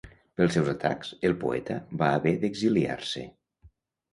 Pels seus atacs, el poeta va haver d'exiliar-se.